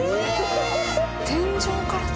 天井から。